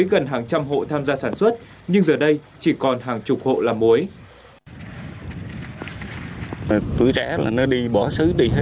gần hàng trăm hộ tham gia sản xuất nhưng giờ đây chỉ còn hàng chục hộ làm muối